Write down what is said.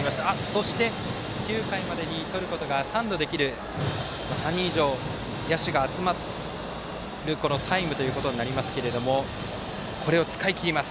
そして、９回までにとることが３度できる野手が集まる、このタイムということになりますけどこれを使い切ります。